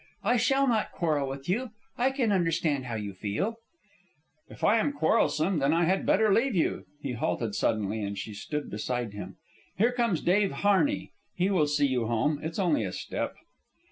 I shall not quarrel with you. I can understand how you feel " "If I am quarrelsome, then I had better leave you." He halted suddenly, and she stood beside him. "Here comes Dave Harney. He will see you home. It's only a step."